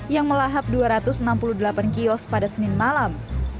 yang melahap dua ratus enam puluh delapan kios pada senin malam